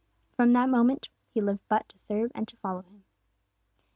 From that moment, he lived but to serve and to follow Him.